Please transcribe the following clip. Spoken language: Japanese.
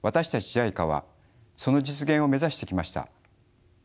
ＪＩＣＡはその実現を目指してきました。